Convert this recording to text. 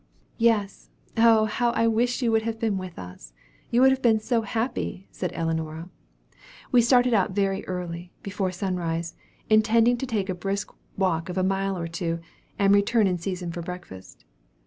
"Yes. Oh, how I wish you had been with us! You would have been so happy!" said Ellinora. "We started out very early before sunrise intending to take a brisk walk of a mile or two, and return in season for breakfast.